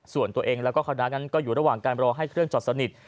ส่วนตัวเองแล้วก็คณะนั้นก็อยู่ระหว่างการรอให้เครื่องจอดสนิท